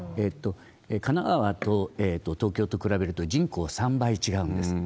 神奈川と東京と比べると、人口は３倍違うんです。